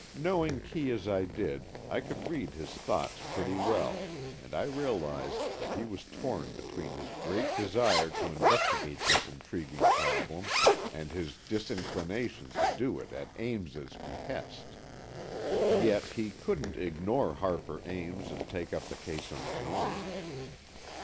Knowing Kee as I did, I could read his thoughts pretty well, and I realized that he was torn between his great desire to investigate this intriguing problem and his disinclination to do it at Ames's behest. Yet he couldn't ignore Harper Ames and take up the case on his own.